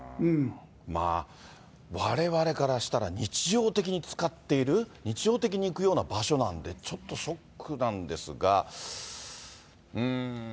われわれからしたら、日常的に使っている、日常的に行くような場所なんで、ちょっとショックなんですが。